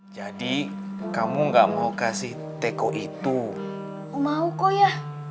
jadi kamu enggak mau kasih teko itu mau kok ya